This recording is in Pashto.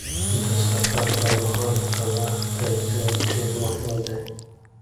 د سفر پر مهال د وخت تنظیم ډېر مهم دی.